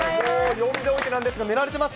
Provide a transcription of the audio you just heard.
呼んでおいてなんですが、寝られてます？